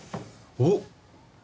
おっ！